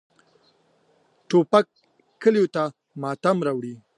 توپک کلیو ته ماتم راوړي.